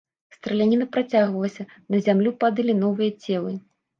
Страляніна працягвалася, на зямлю падалі новыя целы.